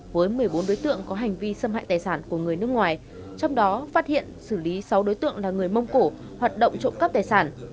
với một mươi bốn đối tượng có hành vi xâm hại tài sản của người nước ngoài trong đó phát hiện xử lý sáu đối tượng là người mông cổ hoạt động trộm cắp tài sản